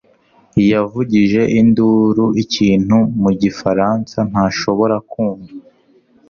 yavugije induru ikintu mu gifaransa ntashobora kumva.